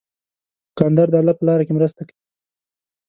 دوکاندار د الله په لاره کې مرسته کوي.